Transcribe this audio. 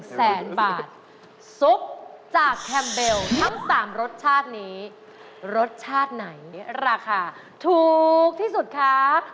แสนบาทซุปจากแคมเบลทั้ง๓รสชาตินี้รสชาติไหนราคาถูกที่สุดคะ